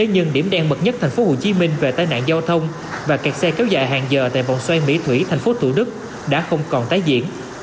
nhưng điểm đen mật nhất tp hcm về tai nạn giao thông và kẹt xe kéo dài hàng giờ tại vòng xoay mỹ thủy thành phố thủ đức đã không còn tái diễn